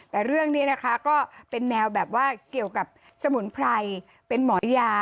แต่เรื่องนี้นะคะก็เป็นแนวแบบว่าเกี่ยวกับสมุนไพรเป็นหมอยา